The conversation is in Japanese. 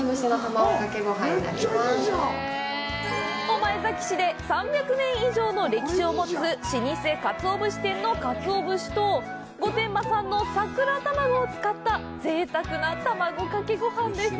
御前崎市で３００年以上の歴史を持つ老舗カツオ節店のカツオ節と御殿場産のさくら玉子を使ったぜいたくな卵かけごはんです。